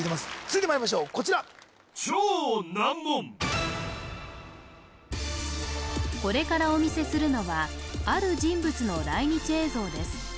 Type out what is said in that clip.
続いてまいりましょうこちらこれからお見せするのはある人物の来日映像です